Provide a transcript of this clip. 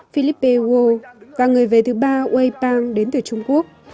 philippe woo và người về thứ ba wei pang đến từ trung quốc